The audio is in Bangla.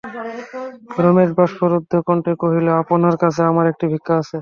রমেশ বাষ্পরুদ্ধকণ্ঠে কহিল, আপনার কাছে আমার একটি ভিক্ষা আছে।